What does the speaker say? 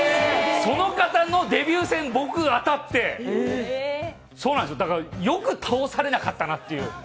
その方のデビュー戦、僕当たって、だからよく倒されなかったなっていう。